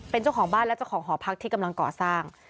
เป็นเจ้าของบ้านและเจ้าของหอพักที่กำลังก่อสร้าง